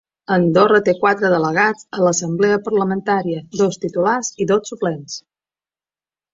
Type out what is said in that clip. Andorra té quatre delegats a l’assemblea parlamentària, dos titulars i dos suplents.